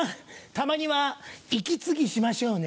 たまには息継ぎしましょうね。